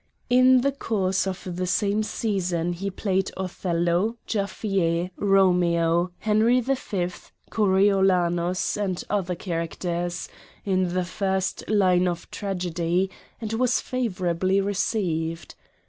In the course of the same season he played Othello, Jaffier, Romeo, Henry V., Coriolanus, and other characters, in the first line of tragedy, and was favorably received.